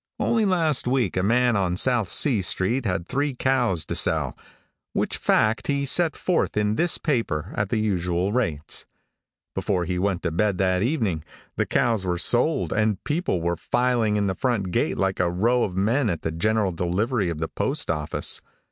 Only last week a man on South C street had three cows to sell, which fact he set forth in this paper at the usual rates. Before he went to bed that evening the cows were sold and people were filing in the front gate like a row of men at the general delivery of the postoffice.